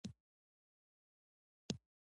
عبدالغفارخان وايي: یا به يو کيږي که نه ورکيږی.